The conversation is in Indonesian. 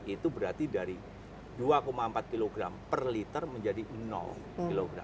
itu berarti dari dua empat kg per liter menjadi kilogram